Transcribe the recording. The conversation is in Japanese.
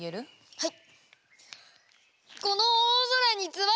はい。